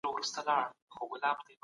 ایا دولت به خصوصي سکتور ته پورونه ورکړي؟